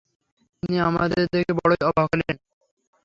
তিনি আমাদের দেখে বড়ই অবাক হলেন।